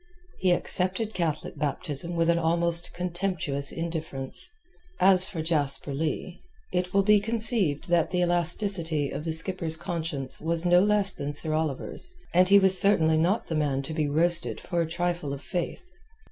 He accepted Catholic baptism with an almost contemptuous indifference. As for Jasper Leigh, it will be conceived that the elasticity of the skipper's conscience was no less than Sir Oliver's, and he was certainly not the man to be roasted for a trifle of faith.